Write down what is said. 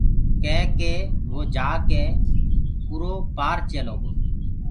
ڪي ڪي وو جآڪي اُرو پآر چيلو گو۔